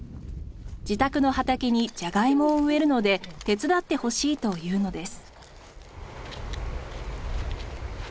自宅の畑にジャガイモを植えるので手伝ってほしいというのです。